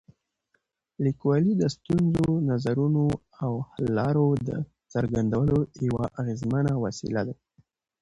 لیکوالی د ستونزو، نظرونو او حل لارو د څرګندولو یوه اغېزمنه وسیله ده.